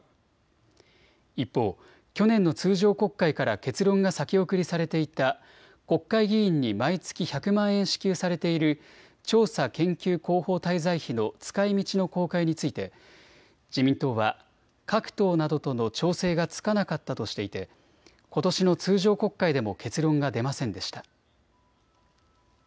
一方、去年の通常国会から結論が先送りされていた国会議員に毎月１００万円支給されている調査研究広報滞在費の使いみちの公開について自民党は各党などとの調整がつかなかったとしていてことしの通常国会でも結論が出ませんでした。